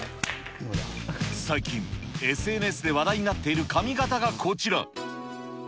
最近、ＳＮＳで話題になっている髪形がこちら。